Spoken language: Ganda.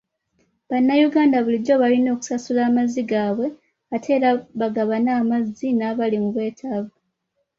Bannayuganda bulijjo balina okusasula amazzi gaabwe ate era bagabane amazzi n'abali mu bwetaavu.